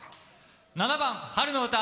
７番「春の歌」。